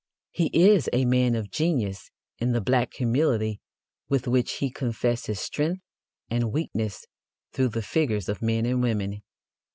He is a man of genius in the black humility with which he confesses strength and weakness through the figures of men and women.